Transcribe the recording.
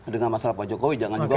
dengan masalah pak jokowi jangan juga